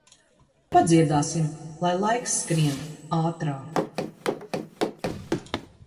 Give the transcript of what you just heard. Padziedāsim, lai laiks skrien ātrāk.